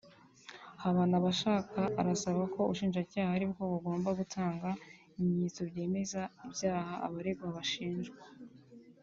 Habanabashaka arasaba ko ubushinjacyaha aribwo bugomba gutanga ibimenyetso byemeza ibyaha abaregwa bashinjwa